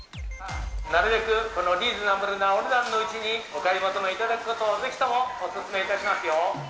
なるべくリーズナブルなお値段のうちにお買い求めいただくことをぜひともお勧めいたしますよ。